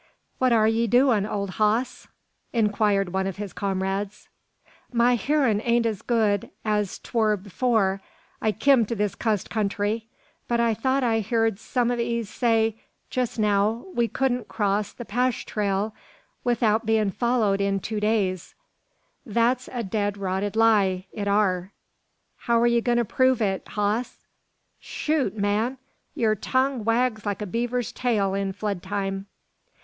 "What are ye doin', old hoss?" inquired one of his comrades. "My hearin' ain't as good as 'twur afore I kim into this cussed country; but I thought I heerd some o' 'ees say, jest now, we cudn't cross the 'Pash trail 'ithout bein' followed in two days. That's a dod rotted lie. It are." "How are ye goin' to prove it, hoss?" "Chut, man! yur tongue wags like a beaver's tail in flood time."